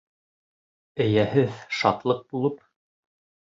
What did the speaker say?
Эйәһеҙ шатлыҡ булып...